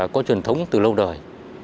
có truyền thống từ lâu đời